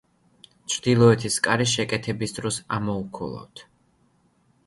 ჩრდილოეთს კარი შეკეთების დროს ამოუქოლავთ.